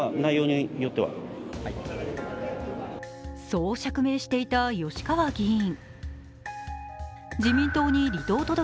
そう釈明していた吉川議員。